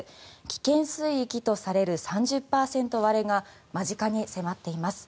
危険水域とされる３０％割れが間近に迫っています。